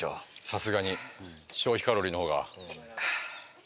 さすがに消費カロリーの方が。